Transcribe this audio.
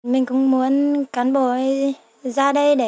mình cũng muốn cán bồi ra đây để